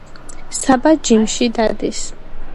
საბა ჯიმში დადის